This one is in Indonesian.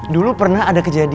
dulu pernah ada kejadian